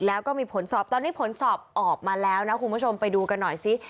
แล้วก็มีผลสอบตอนนี้ผลสอบออกมาแล้วนะคุณผู้ชมไปดูกันหน่อยสิ